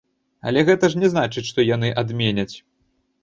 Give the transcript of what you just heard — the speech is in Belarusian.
Але гэта ж не значыць, што яны адменяць.